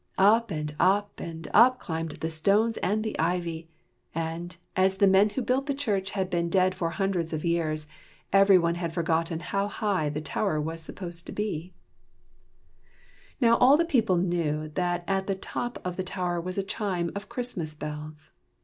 Up, and up, and up climbed the stones and the ivy; and, as the men who built the church had been dead for hundreds of years, every one had forgotten how high the tower was supposed to be. 15 WHY THE CHIMES RANG Now all the people knew that at the top of the tower was a chime of Christmas bells.